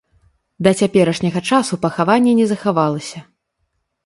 Да цяперашняга часу пахаванне не захавалася.